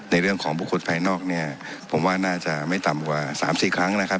ในเรื่องของบุคคลภายนอกเนี่ยผมว่าน่าจะไม่ต่ำกว่า๓๔ครั้งนะครับ